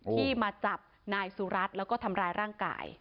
ที่มาจับนายสุรัตน์แล้วก็ทำร้ายร่างกาย